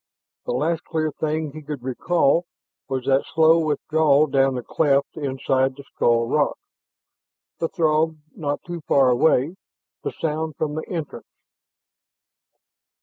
The last clear thing he could recall was that slow withdrawal down the cleft inside the skull rock, the Throg not too far away the sound from the entrance.